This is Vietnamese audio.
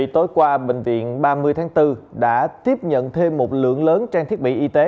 tối qua bệnh viện ba mươi tháng bốn đã tiếp nhận thêm một lượng lớn trang thiết bị y tế